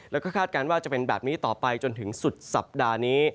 แล้วก็คาดการณ์ว่าจะเป็นแบบนี้ต่อไปจนถึงสุดสัปดาห์นี้